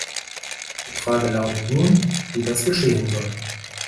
Die Frage lautet nun, wie das geschehen soll.